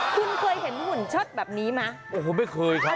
คุณเคยเห็นหุ่นเชิดแบบนี้ไหมโอ้โหไม่เคยครับ